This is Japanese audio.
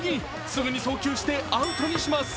すぐに送球してアウトにします。